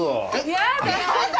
やだ！